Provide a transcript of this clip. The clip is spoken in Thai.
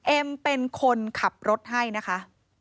เอ็มเป็นคนขับรถให้นะคะ